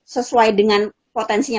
sesuai dengan potensinya